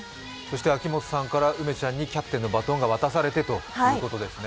秋元さんから梅ちゃんにキャプテンのバトンが渡されてということですね。